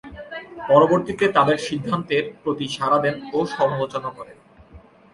পরবর্তীতে তাদের সিদ্ধান্তের প্রতি সাড়া দেন ও সমালোচনা করেন।